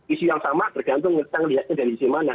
isu yang sama tergantung kita lihatnya dari isi mana